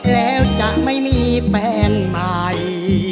แล้วจะไม่มีแฟนใหม่